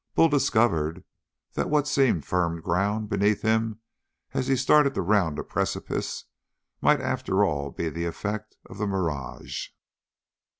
Bull discovered that what seemed firm ground beneath him, as he started to round a precipice, might after all be the effect of the mirage.